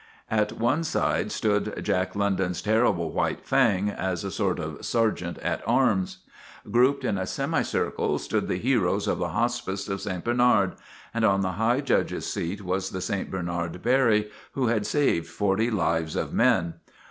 At one side stood Jack Lon don's terrible White Fang, as a sort of sergeant at arms. Grouped in a semi circle stood the heroes of the hospice of St. Bernard, and on the high judge's seat was the St. Bernard Barry who had saved forty lives of men.